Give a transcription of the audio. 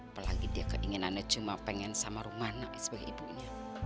apalagi dia keinginannya cuma pengen sama rumah sebagai ibunya